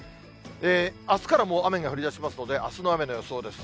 あすからも雨が降りだしますので、あすの雨の予想です。